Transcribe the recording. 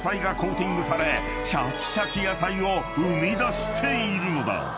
［シャキシャキ野菜を生み出しているのだ］